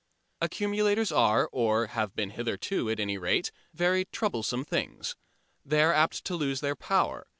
Accumulators are, or have been hitherto at any rate, very troublesome things. They are apt to lose their power.